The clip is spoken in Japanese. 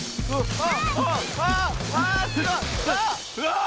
あっ！